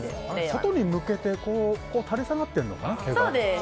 外に向けて垂れ下がってるのかな、毛が。